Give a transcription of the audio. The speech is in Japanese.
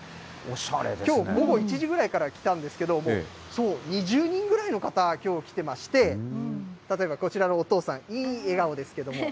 きょう午後１時ぐらいから来たんですけど、もう２０人ぐらいの方、きょう来てまして、例えばこちらのお父さん、いい笑顔ですけれども。